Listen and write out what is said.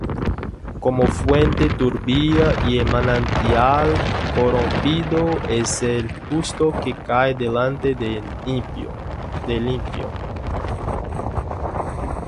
Como fuente turbia y manantial corrompido, Es el justo que cae delante del impío.